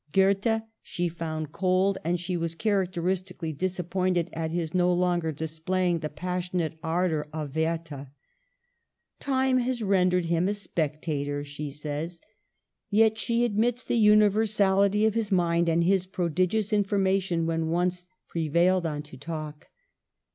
Goethe she found cold, and Digitized by VjOOQIC VISITS GERMANY. 1 35 she was characteristically disappointed at his no longer displaying the passionate ardor of Wer ther. " Time has rendered him a spectator/' she says ; yet she admits the universality of his mind and his prodigious information when once pre vailed on to talk.